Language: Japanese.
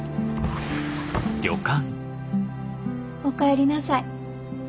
お帰りなさい。